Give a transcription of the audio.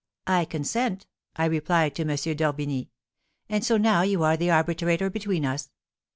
'I consent!' I replied to M. d'Orbigny. And so now you are the arbitrator between us.